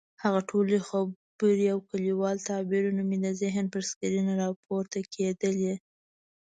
هغه ټولې خبرې او کلیوال تعبیرونه مې د ذهن پر سکرین راپورته کېدلې.